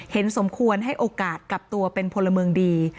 สมควรให้โอกาสกับตัวเป็นพลเมืองดี